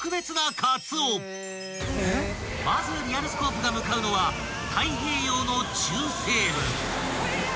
［まずリアルスコープが向かうのは太平洋の中西部］